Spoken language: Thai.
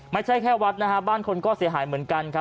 ไม่ใช่แค่วัดนะฮะบ้านคนก็เสียหายเหมือนกันครับ